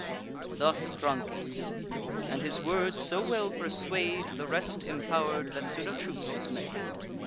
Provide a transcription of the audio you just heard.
Thus Drances; and his words so well persuade The rest impower'd, that soon a truce is made.